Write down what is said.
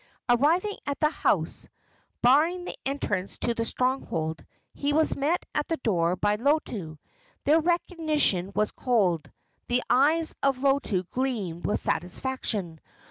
Arriving at the house barring the entrance to the stronghold, he was met at the door by Lotu. Their recognition was cold. The eyes of Lotu gleamed with satisfaction.